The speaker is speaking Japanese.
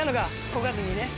こがずにね。